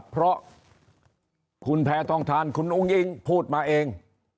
เพราะคุณแพทองทานคุณอุ้งอิงพูดมาเอง